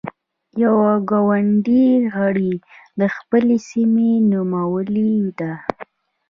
يوه ګوندي غړې د خپلې سيمې نومولې ده.